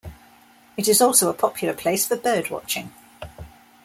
It is also a popular place for birdwatching.